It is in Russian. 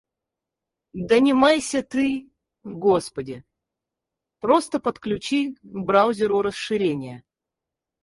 Да не майся ты, господи. Просто подключи к браузеру расширения.